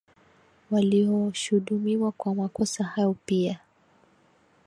walioshudumiwa kwa makosa hiyo pia